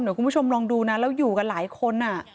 เดี๋ยวคุณผู้ชมลองดูนะแล้วอยู่กันหลายคน